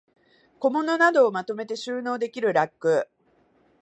小物などをまとめて収納できるラック